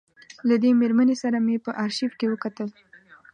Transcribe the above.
له دې مېرمنې سره مې په آرشیف کې وکتل.